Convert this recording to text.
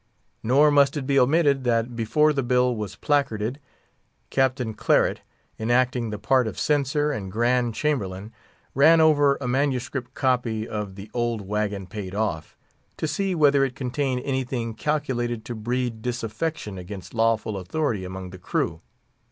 Nor must it be omitted that, before the bill was placarded, Captain Claret, enacting the part of censor and grand chamberlain ran over a manuscript copy of "The Old Wagon Paid Off," to see whether it contained anything calculated to breed disaffection against lawful authority among the crew.